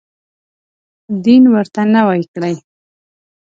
دین ورته نوی کړي.